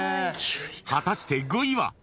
［果たして５位は］